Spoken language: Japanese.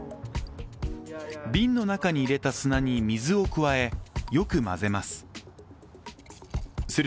瓶の中に入れた砂に水を加えよく混ぜます。